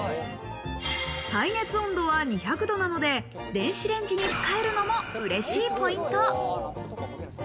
耐熱温度は２００度なので、電子レンジに使えるのも嬉しいポイント。